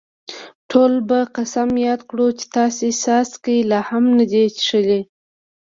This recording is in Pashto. ټول به قسم یاد کړي چې تا یو څاڅکی لا هم نه دی څښلی.